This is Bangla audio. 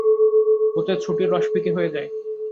ওতে ছুটির রস ফিকে হয়ে যায়।